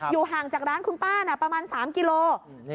อยู่ห่างจากร้านคุณป้านะประมาณ๓กิโลกรัม